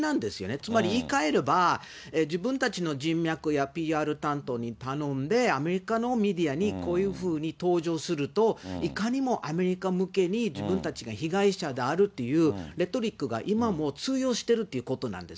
つまり言いかえれば、自分たちの人脈やＰＲ担当に頼んで、アメリカのメディアに、こういうふうに登場すると、いかにもアメリカ向けに自分たちが被害者であるっていうレトリックが今でも通用してるってことなんです。